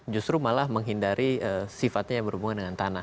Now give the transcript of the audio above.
justru malah menghindari sifatnya yang berhubungan dengan tanah